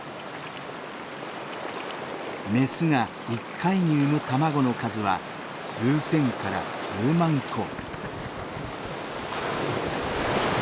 メスが１回に産む卵の数は数千から数万個。